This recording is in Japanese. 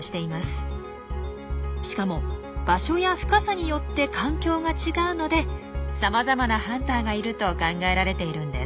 しかも場所や深さによって環境が違うのでさまざまなハンターがいると考えられているんです。